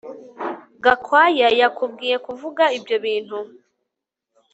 Gakwaya yakubwiye kuvuga ibyo bintu